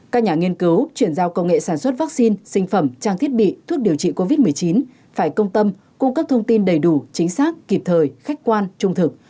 các nhà nghiên cứu chuyển giao công nghệ sản xuất vaccine sinh phẩm trang thiết bị thuốc điều trị covid một mươi chín phải công tâm cung cấp thông tin đầy đủ chính xác kịp thời khách quan trung thực